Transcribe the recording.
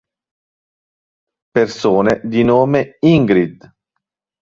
Persone di nome Ingrid